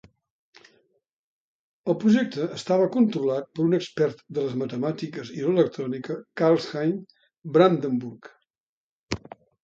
El projecte estava controlat per un expert de les matemàtiques i l'electrònica, Karlheinz Brandenburg.